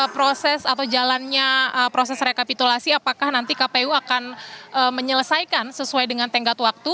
proses atau jalannya proses rekapitulasi apakah nanti kpu akan menyelesaikan sesuai dengan tenggat waktu